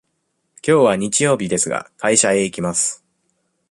きょうは日曜日ですが、会社へ行きます。